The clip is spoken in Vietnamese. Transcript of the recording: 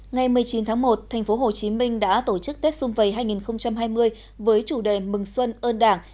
ngày một mươi chín tháng một tp hcm đã tổ chức tết xuân vầy hai nghìn hai mươi với chủ đề mừng xuân ơn đảng